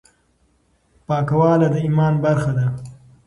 پاکواله د ایمان برخه ده.